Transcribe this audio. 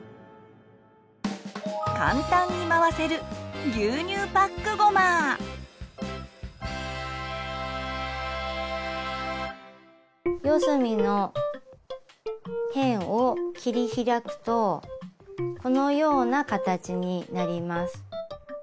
簡単に回せる四隅の辺を切り開くとこのような形になります。